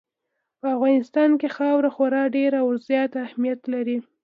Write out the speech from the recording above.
په افغانستان کې خاوره خورا ډېر او زیات اهمیت لري.